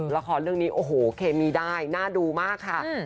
ละครเรื่องนี้โอ้โหเคมีได้น่าดูมากค่ะ